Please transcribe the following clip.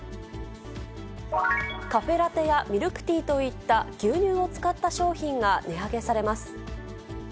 カフェラテやミルクティーといった牛乳を使った商品が値上げされます。